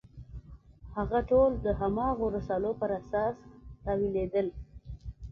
هغه ټول د هماغو رسالو پر اساس تاویلېدل.